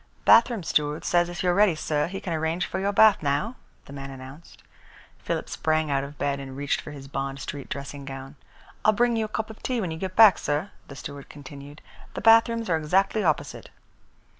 "Bathroom steward says if you are ready, sir, he can arrange for your bath now," the man announced. Philip sprang out of bed and reached for his Bond Street dressing gown. "I'll bring you a cup of tea when you get back, sir," the steward continued. "The bathrooms are exactly opposite."